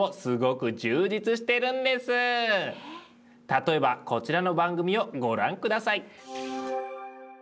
例えばこちらの番組をご覧下さい！